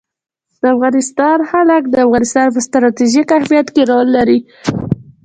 د افغانستان جلکو د افغانستان په ستراتیژیک اهمیت کې رول لري.